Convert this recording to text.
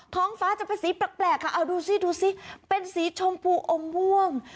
ท้องฟ้าจะเป็นสีแปลกค่ะเอาดูสิดูสิเป็นสีชมพูอมม่วง